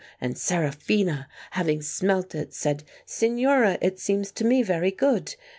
And Seraphina, having smelt it, said, ' Signora, it seems to me very good.'